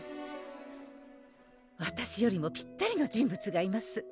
わたしよりもぴったりの人物がいます